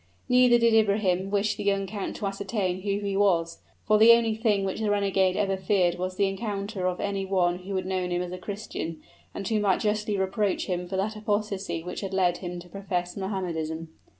Neither did Ibrahim wish the young count to ascertain who he was; for the only thing which the renegade ever feared was the encounter of any one who had known him as a Christian, and who might justly reproach him for that apostasy which had led him to profess Mohammedanism.